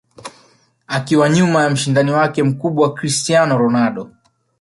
akiwa nyuma ya mshindani wake mkubwa Cristiano Ronaldo